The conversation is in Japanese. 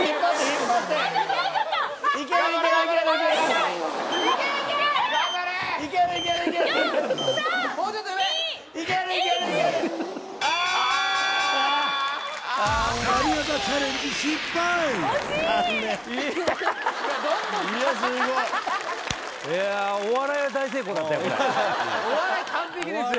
これお笑い完璧ですよ